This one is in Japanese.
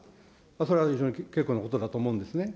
それは非常に結構なことだと思うんですね。